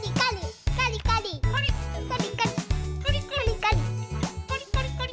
カリカリカリカリ。